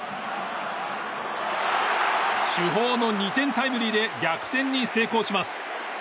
主砲の２点タイムリーで逆転に成功します。